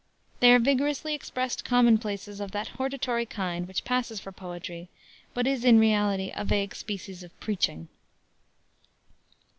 They are vigorously expressed commonplaces of that hortatory kind which passes for poetry, but is, in reality, a vague species of preaching.